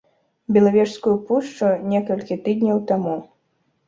Белавежскую пушчу некалькі тыдняў таму.